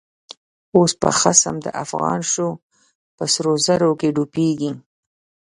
اوس چه خصم دافغان شو، په سرو زرو کی ډوبیږی